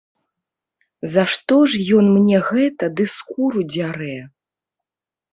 За што ж ён мне гэта ды скуру дзярэ?!